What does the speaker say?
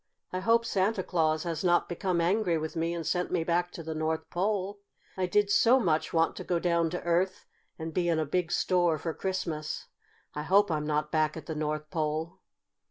I hope Santa Claus has not become angry with me and sent me back to the North Pole. I did so much want to go down to Earth and be in a big store for Christmas. I hope I'm not back at the North Pole."